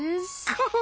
クフフフ。